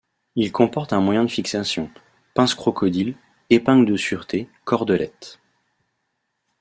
Il comporte un moyen de fixation : pince crocodile, épingle de sûreté, cordelette.